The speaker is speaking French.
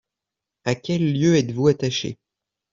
À quel lieu êtes-vous attaché ?